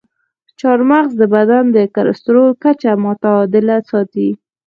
چارمغز د بدن د کلسترول کچه متعادله ساتي.